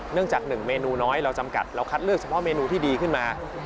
จาก๑เมนูน้อยเราจำกัดเราคัดเลือกเฉพาะเมนูที่ดีขึ้นมา